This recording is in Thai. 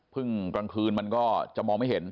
กลางคืนมันก็จะมองไม่เห็น